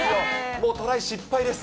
もうトライ失敗です。